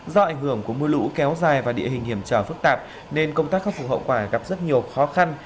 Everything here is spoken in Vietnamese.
do ảnh hưởng của mưa lũ kéo dài và địa hình hiểm trở phức tạp nên công tác khắc phục hậu quả gặp rất nhiều khó khăn